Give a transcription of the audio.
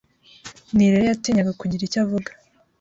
Nirere yatinyaga kugira icyo avuga.